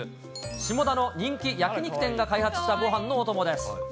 下田の人気焼き肉店が開発したごはんのお供です。